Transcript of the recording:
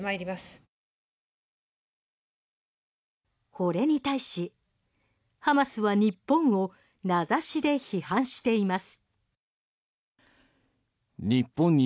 これに対しハマスは日本を名指しで批判しています。